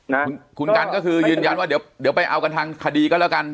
นะคุณคุณกันก็คือยืนยันว่าเดี๋ยวเดี๋ยวไปเอากันทางคดีก็แล้วกัน